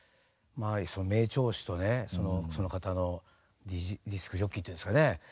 名調子とねその方のディスクジョッキーっていうんですかね